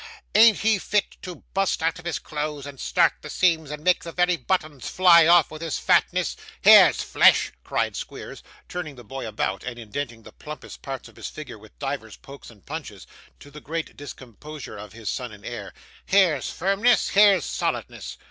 Ain't he fit to bust out of his clothes, and start the seams, and make the very buttons fly off with his fatness? Here's flesh!' cried Squeers, turning the boy about, and indenting the plumpest parts of his figure with divers pokes and punches, to the great discomposure of his son and heir. 'Here's firmness, here's solidness!